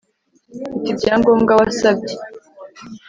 Mfite ibyangombwa wasabye